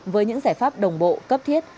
với những giải pháp đồng bộ cấp thiết